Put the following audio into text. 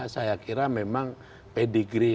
saya kira memang pedigree